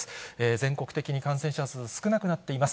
全国的に感染者数、少なくなっています。